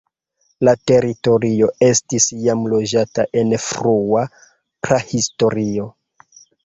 La teritorio estis jam loĝata en frua prahistorio.